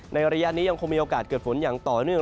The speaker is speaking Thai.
ระยะนี้ยังคงมีโอกาสเกิดฝนอย่างต่อเนื่อง